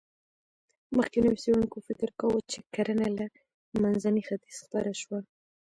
مخکېنو څېړونکو فکر کاوه، چې کرنه له منځني ختیځ خپره شوه.